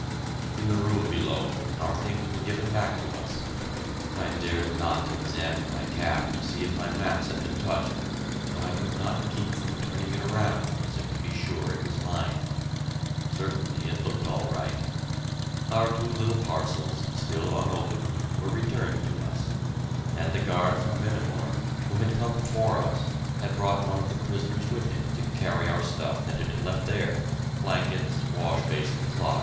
In the room below our things were given back to us. I dared not examine my cap to see if my maps had been touched, but I could not keep from turning it around as if to be sure it was mine. Certainly it looked all right. Our two little parcels, still unopened, were returned to us, and the guard from Vehnemoor who had come for us had brought one of the prisoners with him to carry our stuff that had been left there, blankets, wash basin, clogs, etc.